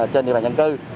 trên địa bàn dân cư